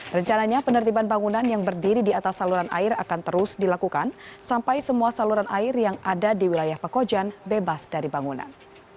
rencananya penertiban bangunan yang berdiri di atas saluran air akan terus dilakukan sampai semua saluran air yang ada di wilayah pekojan bebas dari bangunan